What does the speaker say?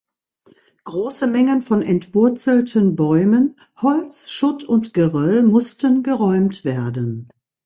Große Mengen von entwurzelten Bäumen, Holz, Schutt und Geröll mussten geräumt werden.